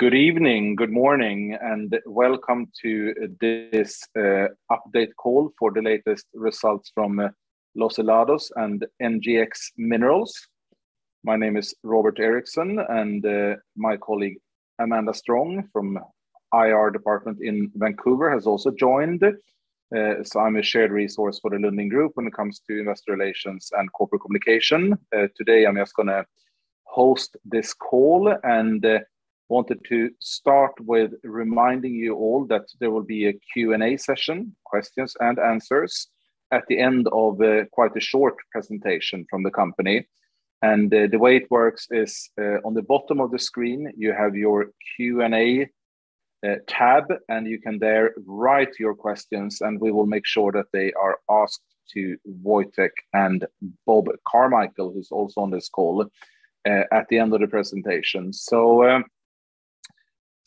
Good evening. Good morning, and welcome to this update call for the latest results from Los Helados and NGEx Minerals. My name is Robert Eriksson, and my colleague Amanda Strong from IR department in Vancouver has also joined. I'm a shared resource for the Lundin Group when it comes to investor relations and corporate communication. Today I'm just gonna host this call, and I wanted to start with reminding you all that there will be a Q&A session, questions and answers, at the end of quite a short presentation from the company. The way it works is, on the bottom of the screen, you have your Q&A tab, and you can there write your questions, and we will make sure that they are asked to Wojtek and Bob Carmichael, who's also on this call, at the end of the presentation.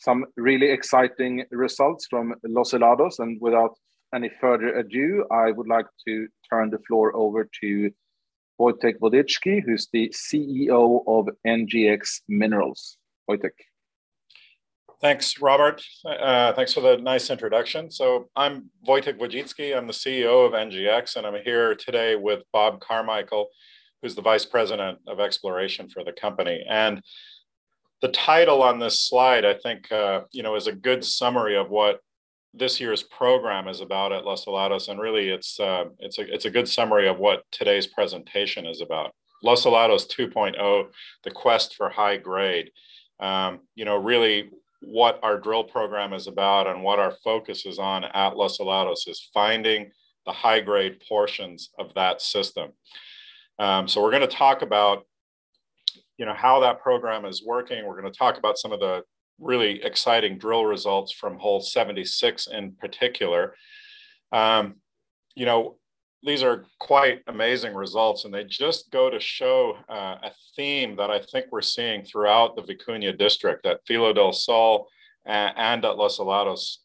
Some really exciting results from Los Helados. Without any further ado, I would like to turn the floor over to Wojtek Wodzicki, who's the CEO of NGEx Minerals. Wojtek. Thanks, Robert. Thanks for that nice introduction. I'm Wojtek Wodzicki. I'm the CEO of NGEx, and I'm here today with Bob Carmichael, whos the Vice President of Exploration for the company. The title on this slide, I think, you know, is a good summary of what this year's program is about at Los Helados. Really, it's a good summary of what today's presentation is about. Los Helados 2.0: The Quest for High Grade. You know, really what our drill program is about and what our focus is on at Los Helados is finding the high grade portions of that system. We're gonna talk about, you know, how that program is working. We're gonna talk about some of the really exciting drill results from Hole 76 in particular. You know, these are quite amazing results, and they just go to show a theme that I think we're seeing throughout the Vicuña District at Filo del Sol and at Los Helados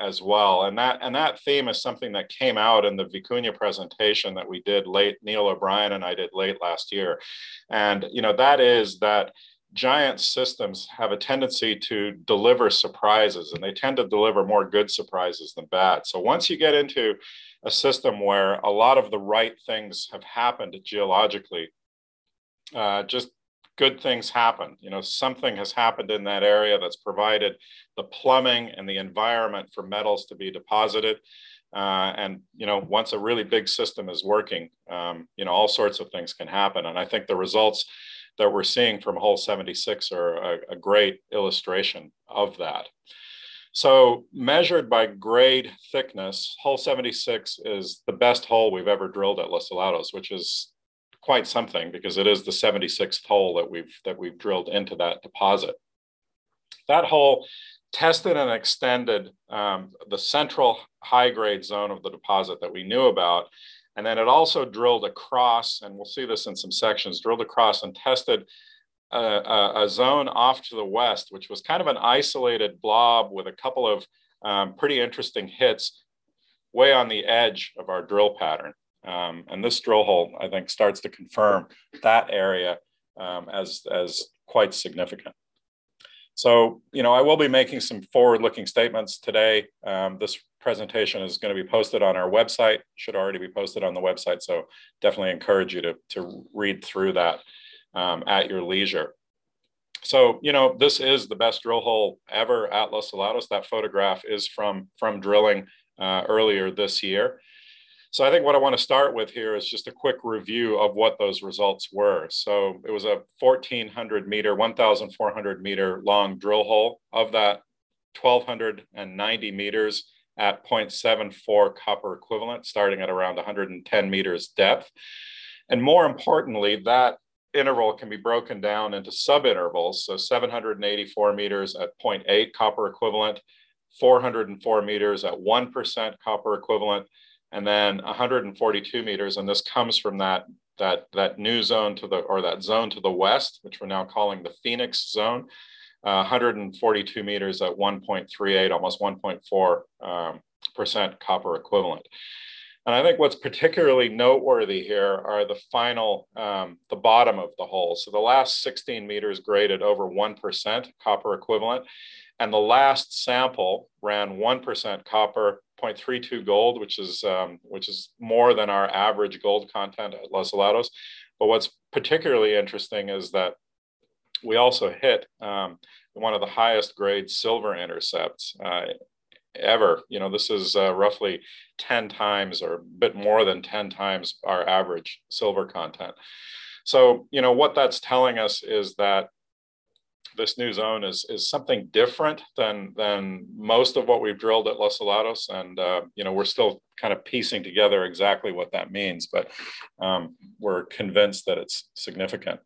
as well. That theme is something that came out in the Vicuña presentation that Neil O'Brien and I did late last year. You know, that is that giant systems have a tendency to deliver surprises, and they tend to deliver more good surprises than bad. Once you get into a system where a lot of the right things have happened geologically, just good things happen. You know, something has happened in that area that's provided the plumbing and the environment for metals to be deposited. You know, once a really big system is working, you know, all sorts of things can happen. I think the results that we're seeing from Hole 76 are a great illustration of that. Measured by grade thickness, Hole 76 is the best hole we've ever drilled at Los Helados, which is quite something because it is the 76th hole that we've drilled into that deposit. That hole tested and extended the central high-grade zone of the deposit that we knew about, and then it also drilled across, and we'll see this in some sections, tested a zone off to the west, which was kind of an isolated blob with a couple of pretty interesting hits way on the edge of our drill pattern. This drill hole, I think, starts to confirm that area as quite significant. You know, I will be making some forward-looking statements today. This presentation is gonna be posted on our website. It should already be posted on the website, so definitely encourage you to read through that at your leisure. You know, this is the best drill hole ever at Los Helados. That photograph is from drilling earlier this year. I think what I want to start with here is just a quick review of what those results were. It was a 1400 m long drill hole. Of that, 1290 m at 0.74 copper equivalent, starting at around 110 m depth. More importantly, that interval can be broken down into subintervals. 784 m at 0.8 copper equivalent, 404 m at 1% copper equivalent, and then 142 m, and this comes from that zone to the west, which we're now calling the Fenix Zone. 142 m at 1.38%, almost 1.4% copper equivalent. I think what's particularly noteworthy here are the final, the bottom of the hole. The last 16 m graded over 1% copper equivalent, and the last sample ran 1% copper, 0.32 gold, which is more than our average gold content at Los Helados. What's particularly interesting is that we also hit one of the highest grade silver intercepts ever. You know, this is roughly 10 times or a bit more than 10 times our average silver content. You know, what that's telling us is that this new zone is something different than most of what we've drilled at Los Helados. You know, we're still kind of piecing together exactly what that means, but we're convinced that it's significant.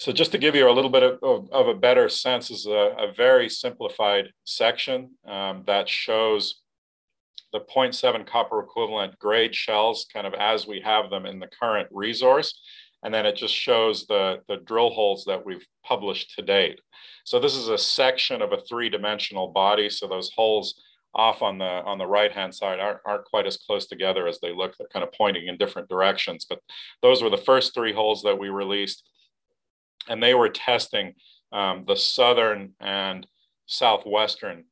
Just to give you a little bit of a better sense is a very simplified section that shows the 0.7 copper equivalent grade shells kind of as we have them in the current resource. It just shows the drill holes that we've published to date. This is a section of a three-dimensional body, so those holes off on the right-hand side aren't quite as close together as they look. They're kind of pointing in different directions. Those were the first three holes that we released, and they were testing the southern and southwestern,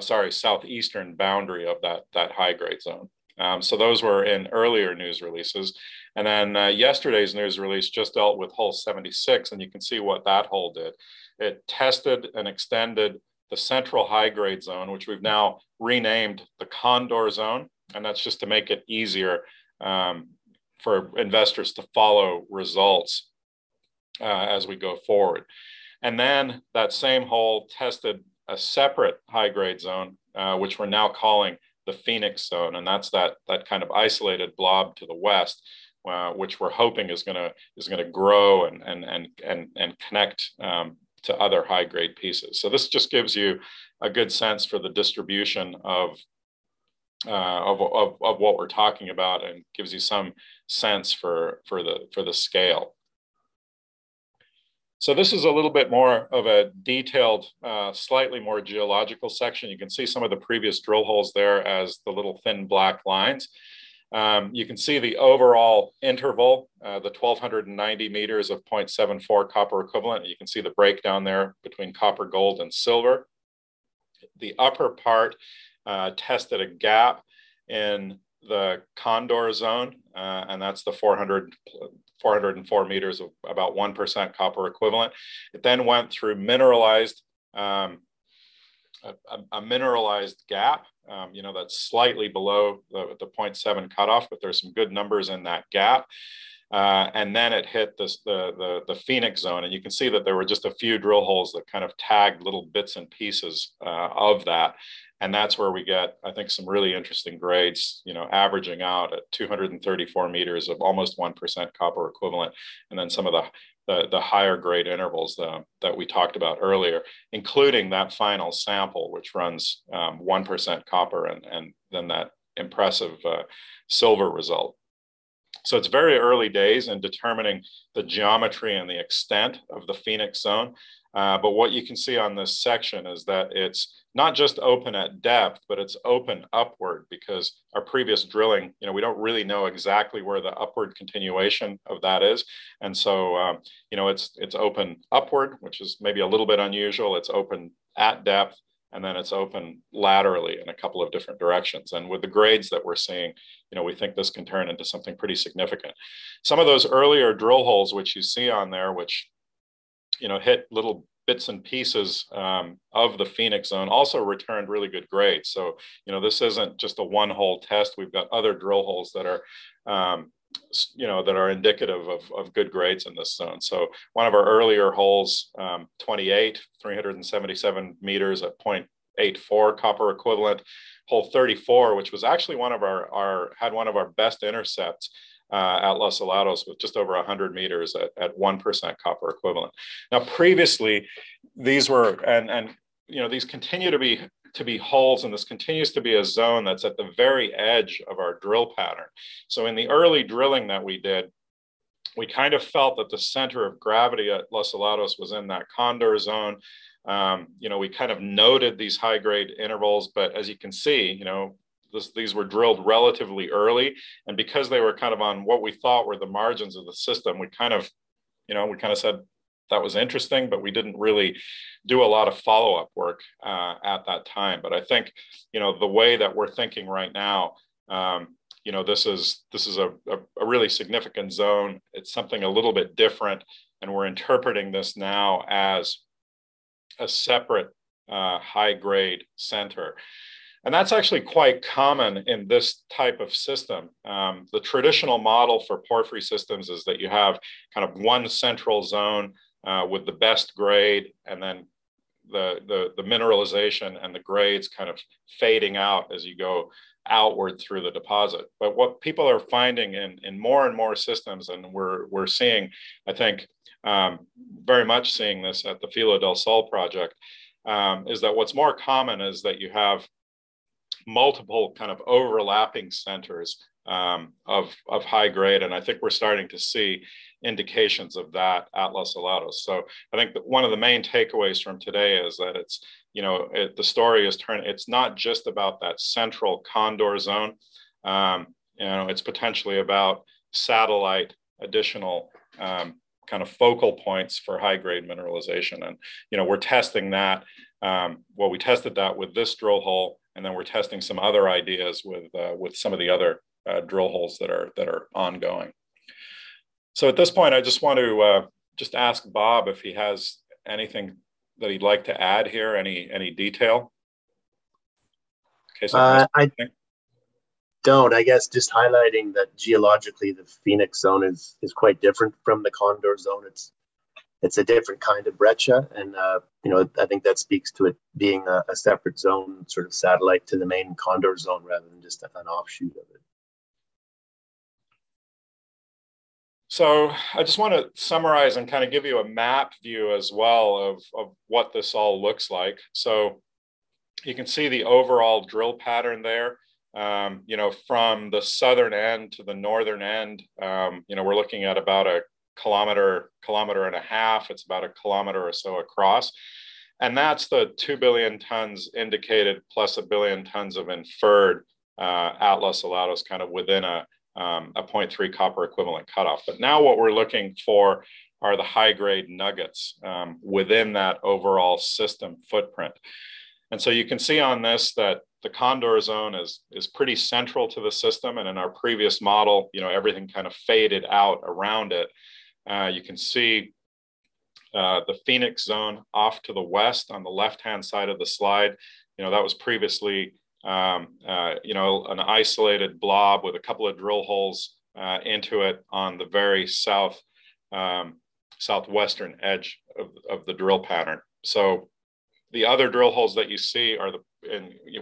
sorry, southeastern boundary of that high-grade zone. Those were in earlier news releases. Yesterday's news release just dealt with Hole 76, and you can see what that hole did. It tested and extended the central high-grade zone, which we've now renamed the Condor Zone, and that's just to make it easier for investors to follow results as we go forward. That same hole tested a separate high-grade zone, which we're now calling the Fenix Zone, and that's that kind of isolated blob to the west, which we're hoping is gonna grow and connect to other high-grade pieces. This just gives you a good sense for the distribution of what we're talking about and gives you some sense for the scale. This is a little bit more of a detailed, slightly more geological section. You can see some of the previous drill holes there as the little thin black lines. You can see the overall interval, the 1,290 m of 0.74 copper equivalent. You can see the breakdown there between copper, gold, and silver. The upper part tested a gap in the Condor Zone, and that's the 400 m-404 m of about 1% copper equivalent. It then went through a mineralized gap. You know, that's slightly below the 0.7 cutoff, but there are some good numbers in that gap. It hit this, the Fenix Zone, and you can see that there were just a few drill holes that kind of tagged little bits and pieces of that, and that's where we get, I think, some really interesting grades, you know, averaging out at 234 m of almost 1% copper equivalent and then some of the higher grade intervals that we talked about earlier, including that final sample which runs 1% copper and then that impressive silver result. It's very early days in determining the geometry and the extent of the Fenix Zone. What you can see on this section is that it's not just open at depth, but it's open upward because our previous drilling, you know, we don't really know exactly where the upward continuation of that is. You know, it's open upward, which is maybe a little bit unusual. It's open at depth, and then it's open laterally in a couple of different directions. With the grades that we're seeing, you know, we think this can turn into something pretty significant. Some of those earlier drill holes which you see on there, which, you know, hit little bits and pieces of the Fenix Zone also returned really good grades. You know, this isn't just a one-hole test. We've got other drill holes that are, you know, that are indicative of good grades in this zone. One of our earlier holes, 28, 377 m at 0.84 copper equivalent. Hole 34, which was actually one of our best intercepts at Los Helados with just over 100 m at 1% copper equivalent. Previously these continue to be holes and this continues to be a zone that's at the very edge of our drill pattern. In the early drilling that we did, we kind of felt that the center of gravity at Los Helados was in that Condor Zone. You know, we kind of noted these high-grade intervals. As you can see, you know, these were drilled relatively early, and because they were kind of on what we thought were the margins of the system, we kind of, you know, said that was interesting, but we didn't really do a lot of follow-up work at that time. I think, you know, the way that we're thinking right now, you know, this is a really significant zone. It's something a little bit different, and we're interpreting this now as a separate high-grade center. That's actually quite common in this type of system. The traditional model for porphyry systems is that you have kind of one central zone with the best grade and then the mineralization and the grades kind of fading out as you go outward through the deposit. What people are finding in more and more systems, and we're seeing, I think, very much seeing this at the Filo del Sol project, is that what's more common is that you have multiple kind of overlapping centers of high grade, and I think we're starting to see indications of that at Los Helados. I think one of the main takeaways from today is that it's, you know, it's not just about that central Condor Zone, you know, it's potentially about satellite additional kind of focal points for high-grade mineralization. You know, we're testing that. Well, we tested that with this drill hole, and then we're testing some other ideas with some of the other drill holes that are ongoing. At this point, I just want to just ask Bob if he has anything that he'd like to add here, any detail. Okay. I don't. I guess just highlighting that geologically the Fenix Zone is quite different from the Condor Zone. It's a different kind of breccia and, you know, I think that speaks to it being a separate zone sort of satellite to the main Condor Zone rather than just an offshoot of it. I just want to summarize and kind of give you a map view as well of what this all looks like. You can see the overall drill pattern there. You know, from the southern end to the northern end, you know, we're looking at about a kilometer and a half. It's about a kilometer or so across. That's the 2 billion tons Indicated plus 1 billion tons of Inferred at Los Helados kind of within a 0.3 copper equivalent cutoff. But now what we're looking for are the high-grade nuggets within that overall system footprint. You can see on this that the Condor Zone is pretty central to the system, and in our previous model, you know, everything kind of faded out around it. You can see the Fenix Zone off to the west on the left-hand side of the slide. You know, that was previously you know, an isolated blob with a couple of drill holes into it on the very south, southwestern edge of the drill pattern. The other drill holes that you see are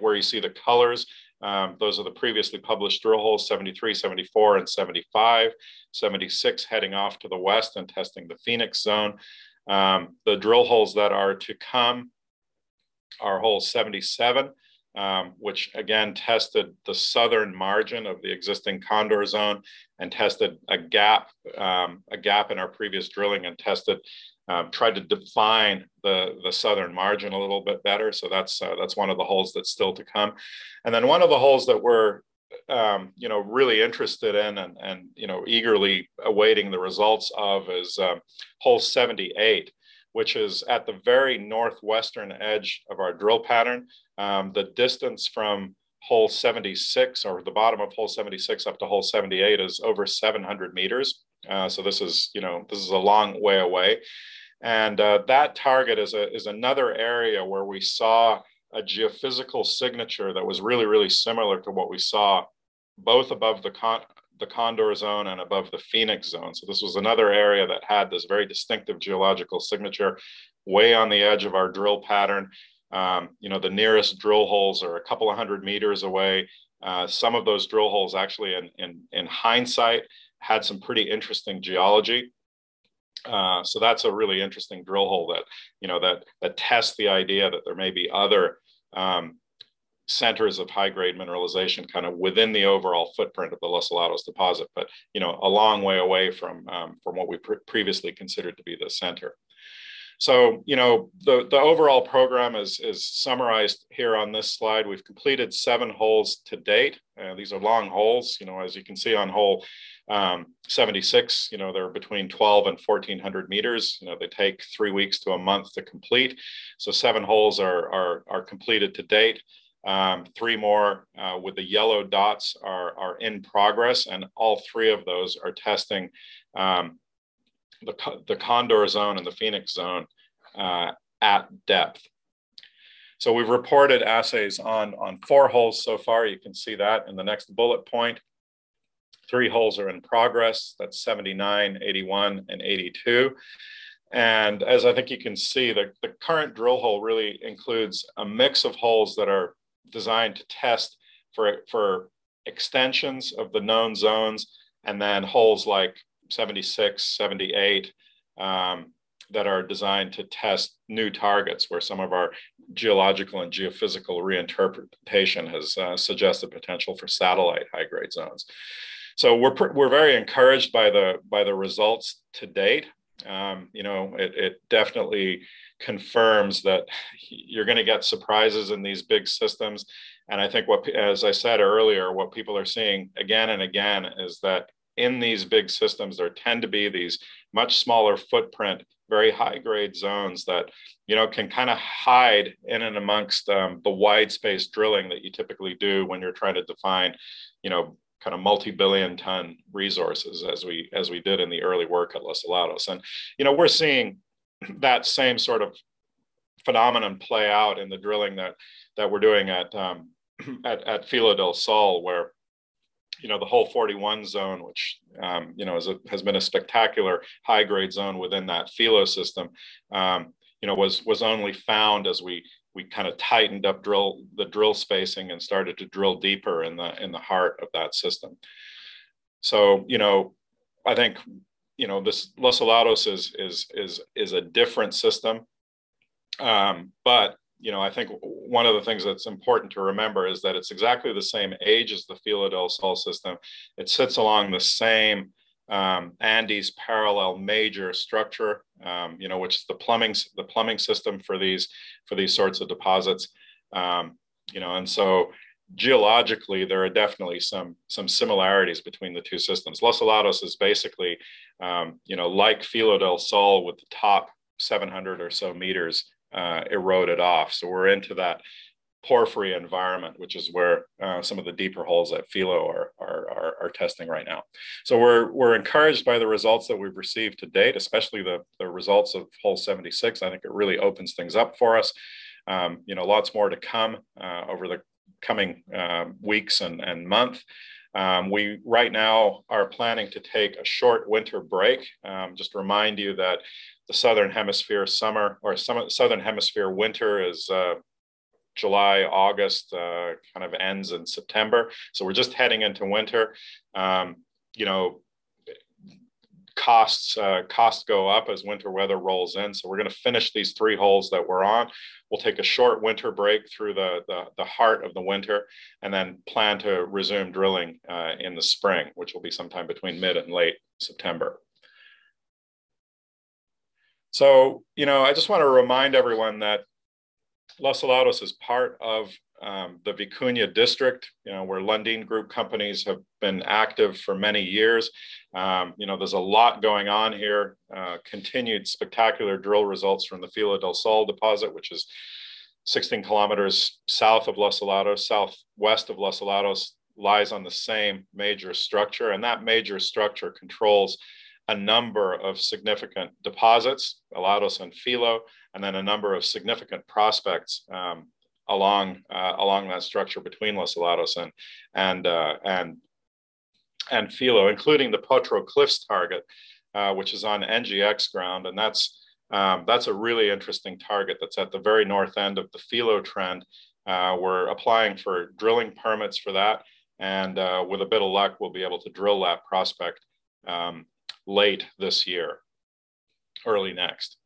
where you see the colors, those are the previously published drill holes, 73, 74, and 75. 76 heading off to the west and testing the Fenix Zone. The drill holes that are to come are Hole 77, which again tested the southern margin of the existing Condor Zone and tested a gap in our previous drilling and tested, tried to define the southern margin a little bit better. That's one of the holes that's still to come. Then one of the holes that we're, you know, really interested in and you know, eagerly awaiting the results of is Hole 78, which is at the very northwestern edge of our drill pattern. The distance from Hole 76 or the bottom of Hole 76 up to Hole 78 is over 700 m. This is, you know, a long way away. That target is another area where we saw a geophysical signature that was really, really similar to what we saw both above the Condor Zone and above the Fenix Zone. This was another area that had this very distinctive geological signature way on the edge of our drill pattern. You know, the nearest drill holes are a couple hundred meters away. Some of those drill holes actually in hindsight had some pretty interesting geology. That's a really interesting drill hole that tests the idea that there may be other centers of high-grade mineralization kind of within the overall footprint of the Los Helados deposit, but you know a long way away from what we previously considered to be the center. You know, the overall program is summarized here on this slide. We've completed seven holes to date. These are long holes. You know, as you can see on Hole 76, you know, they're between 1,200 m and 1,400 m. You know, they take three weeks to a month to complete. Seven holes are completed to date. Three more with the yellow dots are in progress, and all three of those are testing the Condor Zone and the Fenix Zone at depth. We've reported assays on four holes so far. You can see that in the next bullet point. Three holes are in progress. That's 79, 81, and 82. As I think you can see, the current drill hole really includes a mix of holes that are designed to test for extensions of the known zones and then holes like 76, 78 that are designed to test new targets where some of our geological and geophysical reinterpretation has suggested potential for satellite high-grade zones. We're very encouraged by the results to date. You know, it definitely confirms that you're gonna get surprises in these big systems. I think, as I said earlier, what people are seeing again and again is that in these big systems there tend to be these much smaller footprint, very high-grade zones that, you know, can kind of hide in and amongst, the wide-spaced drilling that you typically do when you're trying to define, you know, kind of multi-billion ton resources as we did in the early work at Los Helados. You know, we're seeing that same sort of phenomenon play out in the drilling that we're doing at Filo del Sol, where, you know, the Hole 41 zone, which, you know, has been a spectacular high-grade zone within that Filo system, you know, was only found as we kind of tightened up the drill spacing and started to drill deeper in the heart of that system. You know, I think, you know, this Los Helados is a different system. But, you know, I think one of the things that's important to remember is that it's exactly the same age as the Filo del Sol system. It sits along the same Andes parallel major structure, you know, which is the plumbing system for these sorts of deposits. Geologically, there are definitely some similarities between the two systems. Los Helados is basically, you know, like Filo del Sol with the top 700 or so meters eroded off. We're into that porphyry environment, which is where some of the deeper holes at Filo are testing right now. We're encouraged by the results that we've received to date, especially the results of Hole 76. I think it really opens things up for us. Lots more to come over the coming weeks and month. We right now are planning to take a short winter break. Just to remind you that the Southern Hemisphere winter is July, August, kind of ends in September. We're just heading into winter. You know, costs go up as winter weather rolls in. We're gonna finish these three holes that we're on. We'll take a short winter break through the heart of the winter, and then plan to resume drilling in the spring, which will be sometime between mid and late September. You know, I just want to remind everyone that Los Helados is part of the Vicuña District, you know, where Lundin Group companies have been active for many years. You know, there's a lot going on here. Continued spectacular drill results from the Filo del Sol deposit, which is 16 km south of Los Helados. Southwest of Los Helados lies on the same major structure, and that major structure controls a number of significant deposits, Helados and Filo, and then a number of significant prospects along that structure between Los Helados and Filo, including the Potro Cliffs target, which is on NGEx ground. That's a really interesting target that's at the very north end of the Filo trend. We're applying for drilling permits for that, and with a bit of luck, we'll be able to drill that prospect late this year, early next.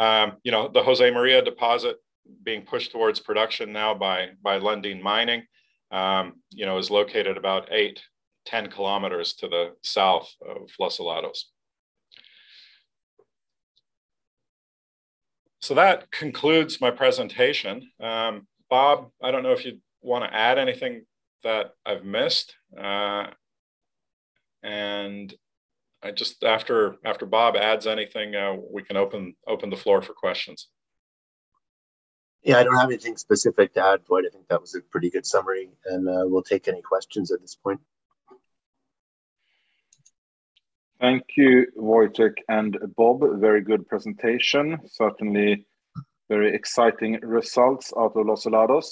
You know, the Josemaria deposit being pushed towards production now by Lundin Mining, you know, is located about 8 km-10 km to the south of Los Helados. That concludes my presentation. Bob, I don't know if you'd want to add anything that I've missed. After Bob adds anything, we can open the floor for questions. Yeah. I don't have anything specific to add, Wojtek. I think that was a pretty good summary, and we'll take any questions at this point. Thank you, Wojtek and Bob. Very good presentation. Certainly very exciting results out of Los Helados.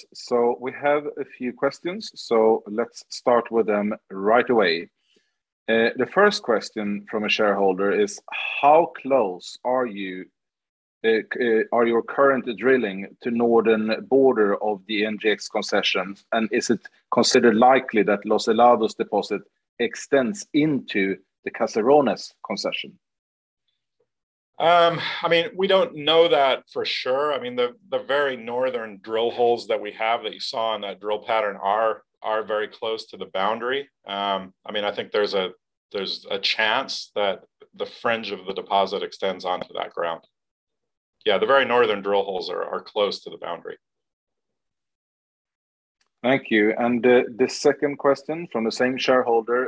We have a few questions, so let's start with them right away. The first question from a shareholder is, how close are your current drilling to northern border of the NGEx concession? And is it considered likely that Los Helados deposit extends into the Caserones concession? I mean, we don't know that for sure. I mean, the very northern drill holes that we have, that you saw on that drill pattern are very close to the boundary. I mean, I think there's a chance that the fringe of the deposit extends onto that ground. Yeah, the very northern drill holes are close to the boundary. Thank you. The second question from the same shareholder,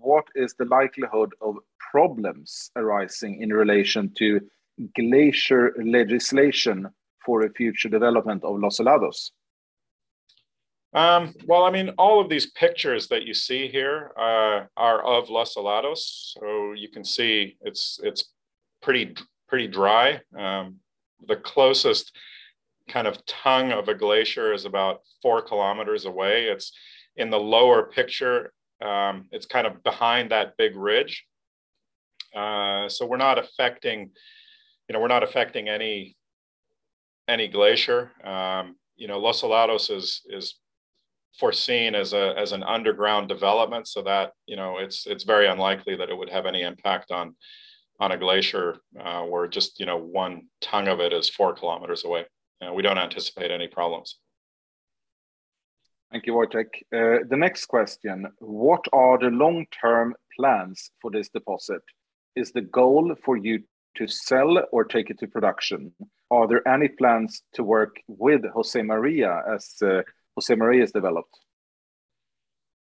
what is the likelihood of problems arising in relation to glacier legislation for a future development of Los Helados? Well, I mean, all of these pictures that you see here are of Los Helados. So you can see it's pretty dry. The closest kind of tongue of a glacier is about 4 km away. It's in the lower picture. It's kind of behind that big ridge. So we're not affecting, you know, we're not affecting any glacier. You know, Los Helados is foreseen as an underground development so that, you know, it's very unlikely that it would have any impact on a glacier, where just one tongue of it is four kilometers away. We don't anticipate any problems. Thank you, Wojtek. The next question: What are the long-term plans for this deposit? Is the goal for you to sell or take it to production? Are there any plans to work with Josemaria as Josemaria is developed?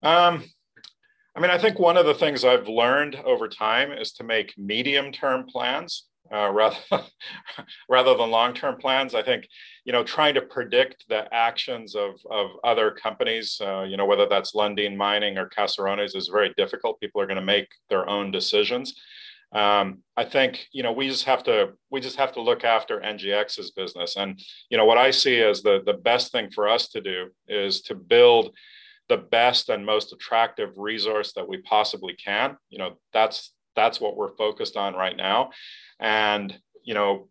I mean, I think one of the things I've learned over time is to make medium-term plans rather than long-term plans. I think, you know, trying to predict the actions of other companies, you know, whether that's Lundin Mining or Caserones is very difficult. People are gonna make their own decisions. I think, you know, we just have to look after NGEx's business. You know, what I see as the best thing for us to do is to build the best and most attractive resource that we possibly can. You know, that's what we're focused on right now. You know,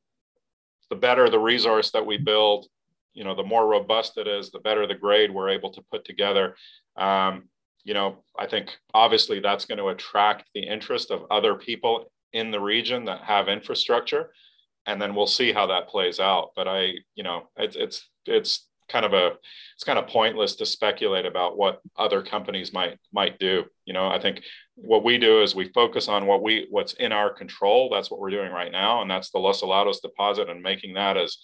the better the resource that we build, you know, the more robust it is, the better the grade we're able to put together. You know, I think obviously that's going to attract the interest of other people in the region that have infrastructure, and then we'll see how that plays out. You know, it's kind of pointless to speculate about what other companies might do. You know, I think what we do is we focus on what's in our control. That's what we're doing right now, and that's the Los Helados deposit and making that as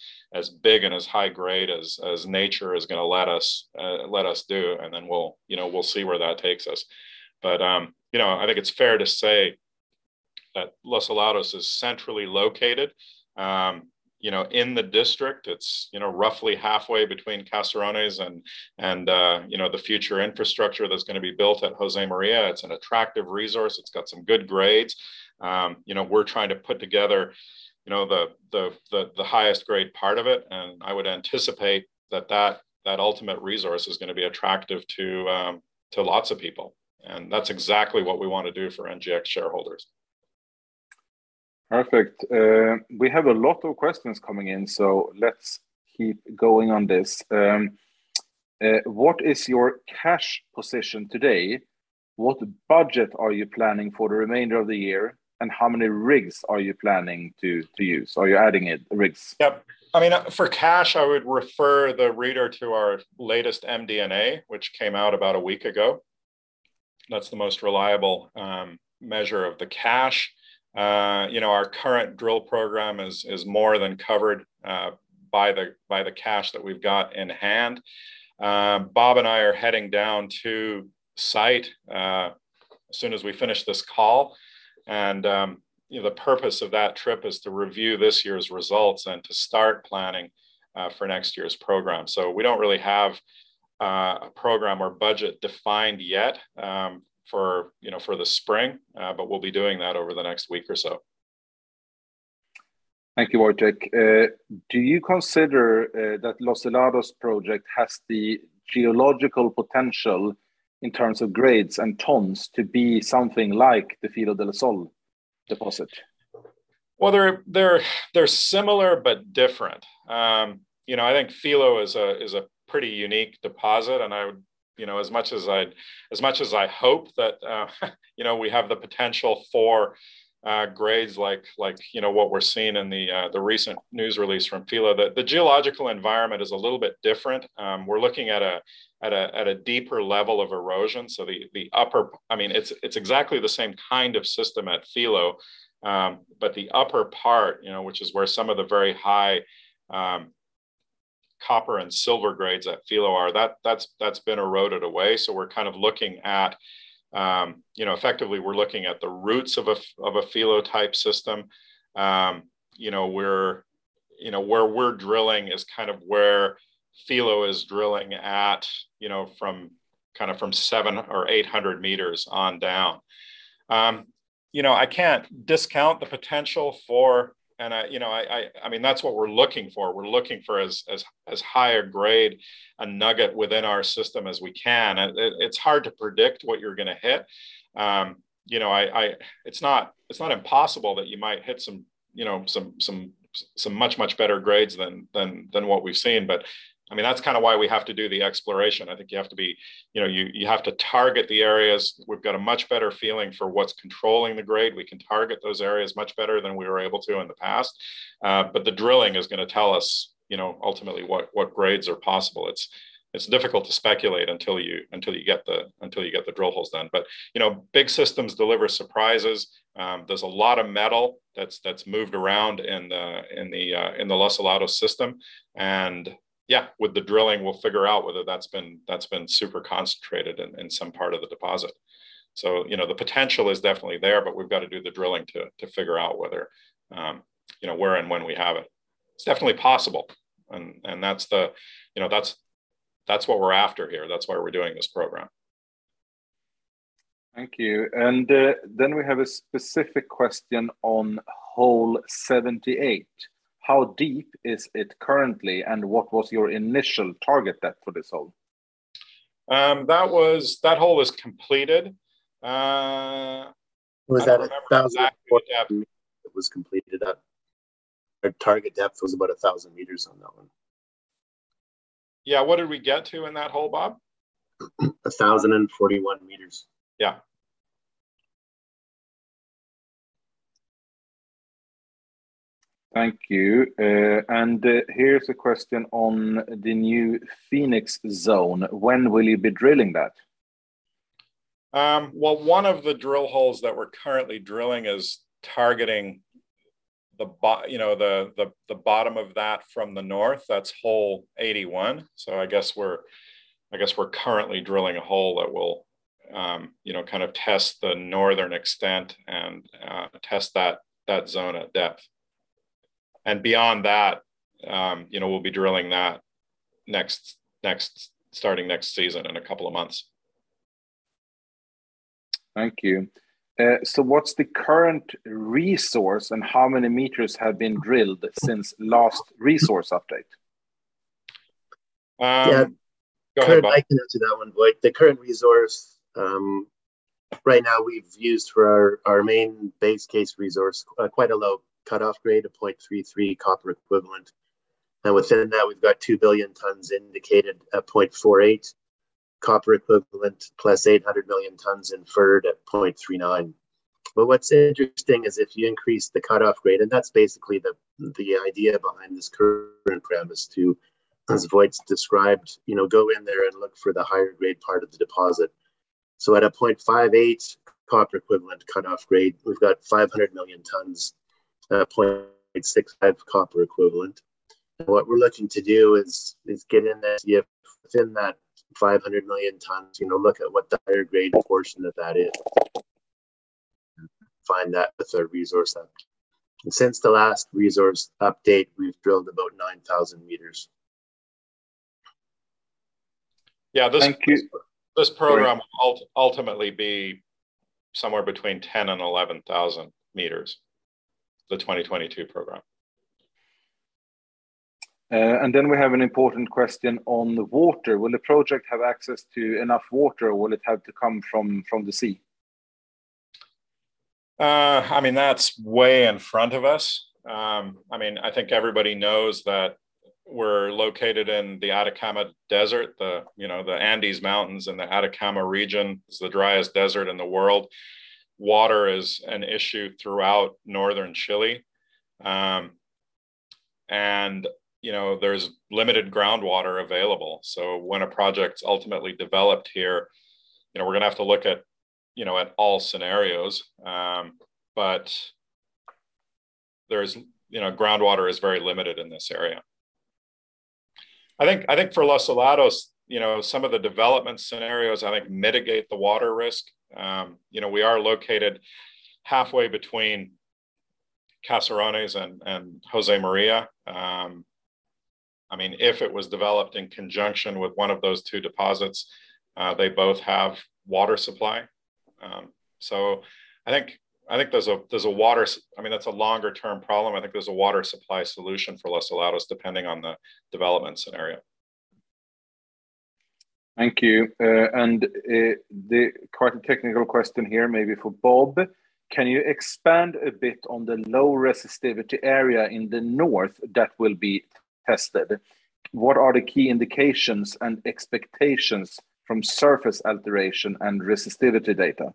big and as high grade as nature is gonna let us let us do. We'll see where that takes us. You know, I think it's fair to say that Los Helados is centrally located, you know, in the district. It's roughly halfway between Caserones and the future infrastructure that's gonna be built at Josemaria. It's an attractive resource. It's got some good grades. We're trying to put together the highest grade part of it, and I would anticipate that ultimate resource is gonna be attractive to lots of people. That's exactly what we want to do for NGEx shareholders. Perfect. We have a lot of questions coming in, so let's keep going on this. What is your cash position today? What budget are you planning for the remainder of the year, and how many rigs are you planning to use? Are you adding any rigs? Yep. I mean, for cash, I would refer the reader to our latest MD&A, which came out about a week ago. That's the most reliable measure of the cash. You know, our current drill program is more than covered by the cash that we've got in hand. Bob and I are heading down to site as soon as we finish this call, and you know, the purpose of that trip is to review this year's results and to start planning for next year's program. We don't really have a program or budget defined yet for you know, for the spring, but we'll be doing that over the next week or so. Thank you, Wojtek. Do you consider that Los Helados project has the geological potential in terms of grades and tons to be something like the Filo del Sol deposit? Well, they're similar but different. You know, I think Filo is a pretty unique deposit, and I would, you know, as much as I hope that, you know, we have the potential for grades like what we're seeing in the recent news release from Filo. The geological environment is a little bit different. We're looking at a deeper level of erosion. The upper, I mean, it's exactly the same kind of system at Filo. But the upper part, you know, which is where some of the very high copper and silver grades at Filo are, that's been eroded away. We're kind of looking at, you know, effectively we're looking at the roots of a Filo-type system. You know, where we're drilling is kind of where Filo is drilling at, you know, from 700 m or 800 m on down. You know, I can't discount the potential for. I mean, that's what we're looking for. We're looking for as high a grade, a nugget within our system as we can. It's hard to predict what you're gonna hit. You know, it's not impossible that you might hit some, you know, some much better grades than what we've seen. I mean, that's kind of why we have to do the exploration. I think you have to be, you know, you have to target the areas. We've got a much better feeling for what's controlling the grade. We can target those areas much better than we were able to in the past. The drilling is gonna tell us, you know, ultimately what grades are possible. It's difficult to speculate until you get the drill holes done. You know, big systems deliver surprises. There's a lot of metal that's moved around in the Los Helados system. Yeah, with the drilling, we'll figure out whether that's been super concentrated in some part of the deposit. You know, the potential is definitely there, but we've got to do the drilling to figure out whether, you know, where and when we have it. It's definitely possible and that's the, you know, that's what we're after here. That's why we're doing this program. Thank you. We have a specific question on Hole 78. How deep is it currently, and what was your initial target depth for this hole? That hole was completed. I don't remember the exact depth. It was at 1,040 m. Our target depth was about 1,000 m on that one. Yeah. What did we get to in that hole, Bob? 1,041 m. Yeah. Thank you. Here's a question on the new Fenix Zone. When will you be drilling that? Well, one of the drill holes that we're currently drilling is targeting, you know, the bottom of that from the north. That's Hole 81. So I guess we're currently drilling a hole that will, you know, kind of test the northern extent and, test that zone at depth. Beyond that, you know, we'll be drilling that next, starting next season in a couple of months. Thank you. What's the current resource, and how many meters have been drilled since last resource update? Um- Yeah. Go ahead, Bob. I can answer that one, Wojtek. The current resource, right now we've used for our main base case resource, quite a low cut-off grade of 0.33 copper equivalent. Now, within that, we've got 2 billion tons indicated at 0.48 copper equivalent, plus 800 million tons inferred at 0.39. What's interesting is if you increase the cut-off grade, and that's basically the idea behind this current program, is to, as Wojtek described, you know, go in there and look for the higher grade part of the deposit. At a 0.58 copper equivalent cut-off grade, we've got 500 million tons at 0.65 copper equivalent. What we're looking to do is get in there within that 500 million tons, you know, look at what the higher grade portion of that is, find that with our resource depth. Since the last resource update, we've drilled about 9,000 m. Yeah. Thank you. Go ahead. This program will ultimately be somewhere between 10,000 m and 11,000 m, the 2022 program. We have an important question on the water. Will the project have access to enough water or will it have to come from the sea? I mean, that's way in front of us. I mean, I think everybody knows that we're located in the Atacama Desert, you know, the Andes Mountains in the Atacama region. It's the driest desert in the world. Water is an issue throughout northern Chile. You know, there's limited groundwater available. When a project's ultimately developed here, you know, we're gonna have to look at, you know, at all scenarios. There's, you know, groundwater is very limited in this area. I think for Los Helados, you know, some of the development scenarios I think mitigate the water risk. You know, we are located halfway between Caserones and Josemaria. I mean, if it was developed in conjunction with one of those two deposits, they both have water supply. I mean, that's a longer term problem. I think there's a water supply solution for Los Helados depending on the development scenario. Thank you. Quite a technical question here maybe for Bob. Can you expand a bit on the low resistivity area in the north that will be tested? What are the key indications and expectations from surface alteration and resistivity data?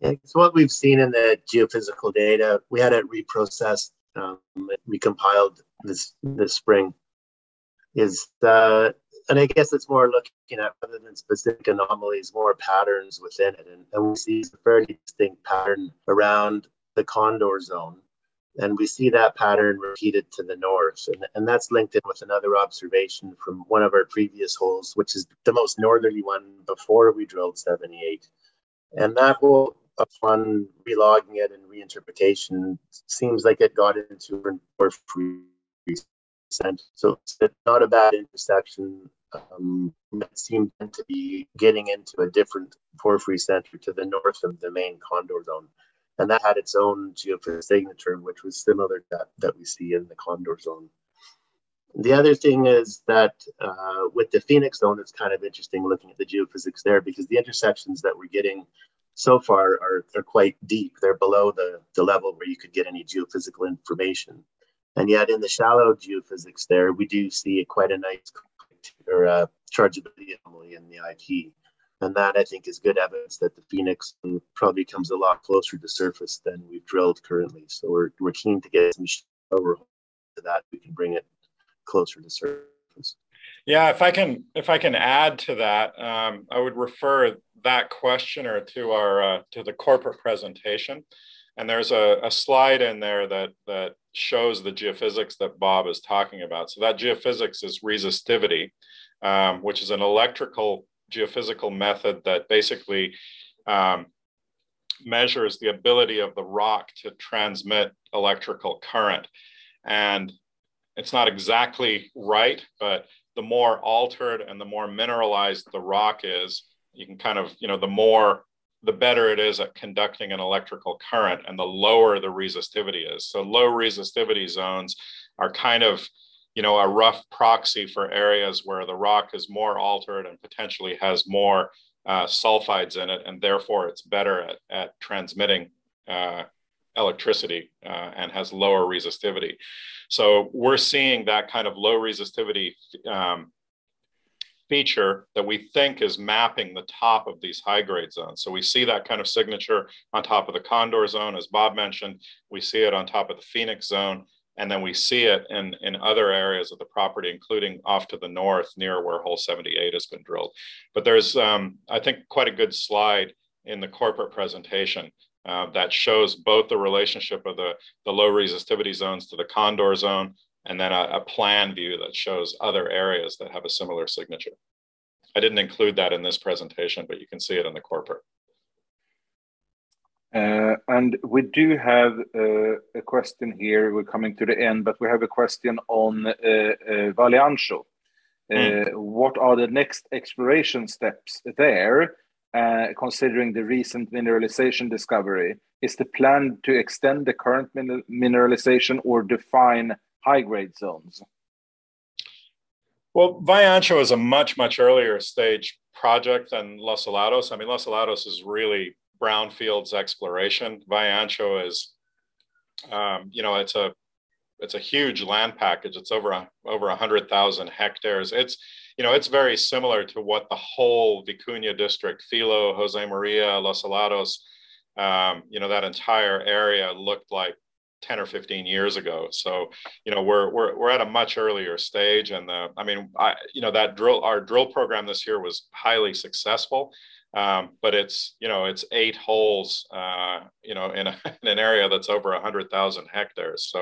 Yeah. What we've seen in the geophysical data, we had it reprocessed, recompiled this spring, is that I guess it's more looking at rather than specific anomalies, more patterns within it. We see a very distinct pattern around the Condor Zone, and we see that pattern repeated to the north. That's linked in with another observation from one of our previous holes, which is the most northerly one before we drilled 78. That hole, upon re-logging it and reinterpretation, seems like it got into a more porphyry center so it's not a bad intersection, that seemed then to be getting into a different porphyry center to the north of the main Condor Zone. That had its own geophysical signature, which was similar to that we see in the Condor Zone. The other thing is that with the Fenix Zone, it's kind of interesting looking at the geophysics there because the intersections that we're getting so far are quite deep. They're below the level where you could get any geophysical information. Yet in the shallow geophysics there, we do see quite a nice chargeability anomaly in the IP. That I think is good evidence that the Fenix probably comes a lot closer to surface than we've drilled currently. We're keen to get some over that we can bring it closer to surface. Yeah. If I can add to that, I would refer that questioner to the corporate presentation, and there's a slide in there that shows the geophysics that Bob is talking about. That geophysics is resistivity, which is an electrical geophysical method that basically measures the ability of the rock to transmit electrical current. It's not exactly right, but the more altered and the more mineralized the rock is, you can kind of, you know, the more, the better it is at conducting an electrical current and the lower the resistivity is. Low resistivity zones are kind of, you know, a rough proxy for areas where the rock is more altered and potentially has more sulfides in it, and therefore it's better at transmitting electricity and has lower resistivity. We're seeing that kind of low resistivity feature that we think is mapping the top of these high-grade zones. We see that kind of signature on top of the Condor Zone, as Bob mentioned. We see it on top of the Fenix Zone, and then we see it in other areas of the property, including off to the north near where Hole 78 has been drilled. There's quite a good slide in the corporate presentation that shows both the relationship of the low resistivity zones to the Condor Zone and then a plan view that shows other areas that have a similar signature. I didn't include that in this presentation, but you can see it in the corporate. We do have a question here. We're coming to the end, but we have a question on Valle Ancho. Mm. What are the next exploration steps there, considering the recent mineralization discovery? Is the plan to extend the current mineralization or define high-grade zones? Well, Valle Ancho is a much earlier stage project than Los Helados. I mean, Los Helados is really brownfields exploration. Valle Ancho is, you know, it's a huge land package. It's over 100,000 hectares. It's very similar to what the whole Vicuña District, Filo, Josemaria, Los Helados, you know, that entire area looked like 10 or 15 years ago. You know, we're at a much earlier stage. You know, our drill program this year was highly successful. But it's eight holes in an area that's over 100,000 hectares.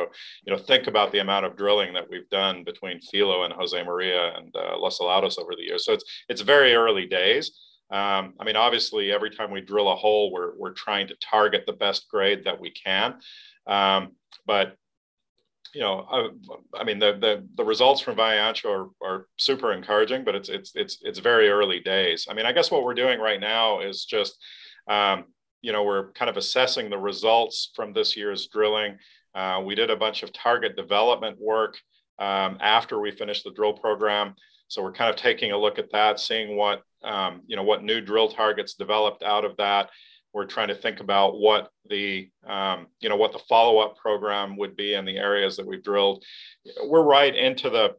You know, think about the amount of drilling that we've done between Filo and Josemaria and Los Helados over the years. It's very early days. I mean, obviously, every time we drill a hole, we're trying to target the best grade that we can. You know, I mean, the results from Valle Ancho are super encouraging, but it's very early days. I mean, I guess what we're doing right now is just you know, we're kind of assessing the results from this year's drilling. We did a bunch of target development work after we finished the drill program. We're kind of taking a look at that, seeing what you know, what new drill targets developed out of that. We're trying to think about what the you know, what the follow-up program would be in the areas that we've drilled. We're right into the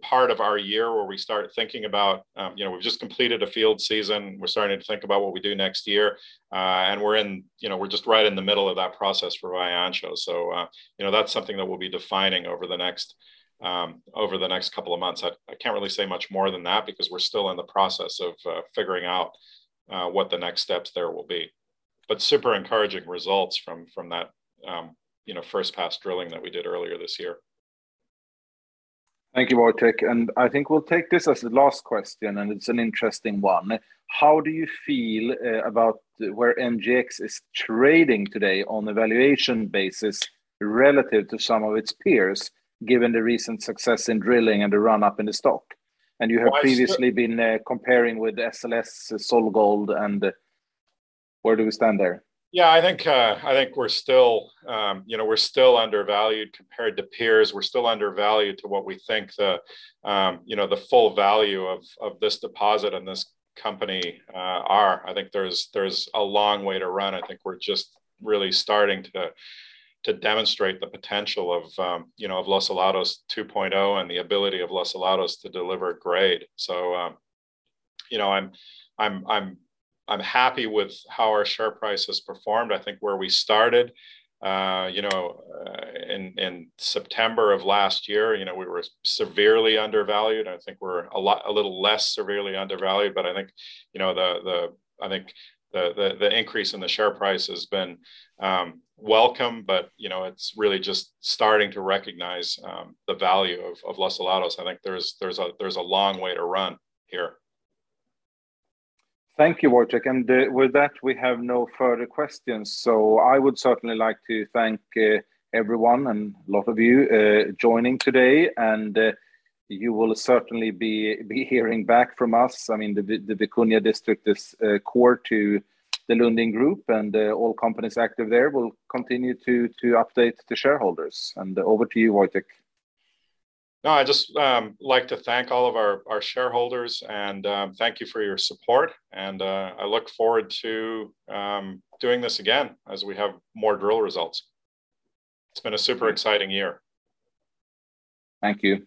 part of our year where we start thinking about, you know, we've just completed a field season, we're starting to think about what we do next year. We're just right in the middle of that process for Valle Ancho. You know, that's something that we'll be defining over the next couple of months. I can't really say much more than that because we're still in the process of figuring out what the next steps there will be. Super encouraging results from that first pass drilling that we did earlier this year. Thank you, Wojtek, and I think we'll take this as the last question, and it's an interesting one. How do you feel about where NGEx is trading today on the valuation basis relative to some of its peers, given the recent success in drilling and the run-up in the stock? You have- Well, I just.... previously been comparing with SLS, SolGold, and where do we stand there? Yeah, I think we're still, you know, we're still undervalued compared to peers. We're still undervalued to what we think the, you know, the full value of this deposit and this company, are. I think there's a long way to run. I think we're just really starting to demonstrate the potential of, you know, of Los Helados 2.0 and the ability of Los Helados to deliver grade. You know, I'm happy with how our share price has performed. I think where we started, you know, in September of last year, you know, we were severely undervalued, and I think we're a lot a little less severely undervalued. I think, you know, the increase in the share price has been welcome, but you know, it's really just starting to recognize the value of Los Helados. I think there's a long way to run here. Thank you, Wojtek, and with that, we have no further questions. I would certainly like to thank everyone and a lot of you joining today. You will certainly be hearing back from us. I mean, the Vicuña District is core to the Lundin Group, and all companies active there will continue to update the shareholders. Over to you, Wojtek. No, I'd just like to thank all of our shareholders, and thank you for your support. I look forward to doing this again as we have more drill results. It's been a super exciting year. Thank you.